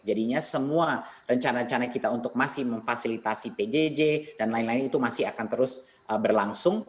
jadinya semua rencana rencana kita untuk masih memfasilitasi pjj dan lain lain itu masih akan terus berlangsung